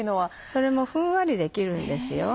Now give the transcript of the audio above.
それもふんわりできるんですよ。